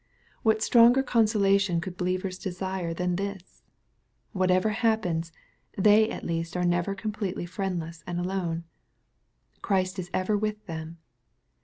What stronger consolation could believers desire than this ? Whatever happens, they at least are never completely friendless and alone. Christ is ever with them.